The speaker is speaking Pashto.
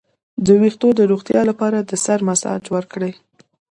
د ویښتو د روغتیا لپاره د سر مساج وکړئ